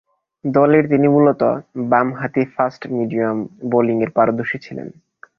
দলে তিনি মূলতঃ বামহাতি ফাস্ট মিডিয়াম বোলিংয়ে পারদর্শী ছিলেন।